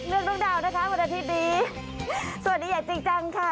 น้องดาวนะคะวันอาทิตย์นี้สวัสดีอย่างจริงจังค่ะ